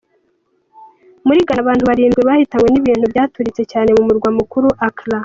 Muri Ghana abantu barindwi bahitanywe n'ibintu byaturitse cyane mu murwa mukuru Accra.